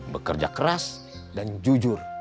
bekerja keras dan jujur